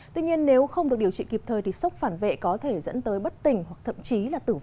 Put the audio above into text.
tuy nhiên nếu không được điều trị kịp thời thì sốc phản vệ có thể dẫn tới một nguyên nhân viên y tế ở bang alaska của mỹ